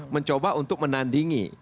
mencoba untuk menandingi